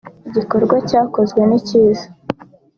Igikorwa cyakozwe ni cyiza